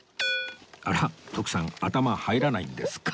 あら徳さん頭入らないんですか？